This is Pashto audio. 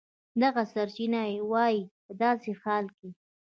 دغه سرچینه وایي په داسې حال کې